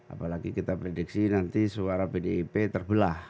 apalagi kita prediksi nanti suara pdip terbelah